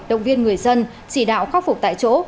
động viên người dân chỉ đạo khắc phục tại chỗ